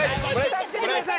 助けてください